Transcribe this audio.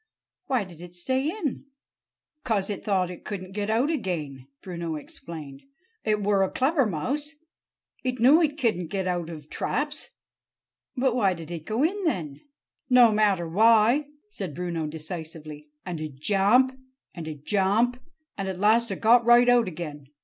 "Why did it stay in?" "'Cause it thought it couldn't get out again," Bruno explained. "It were a clever mouse. It knew it couldn't get out of traps." "But why did it go in, then?" "No matter why!" said Bruno decisively; "and it jamp, and it jamp, and at last it got right out again.